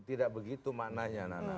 tidak begitu maknanya nana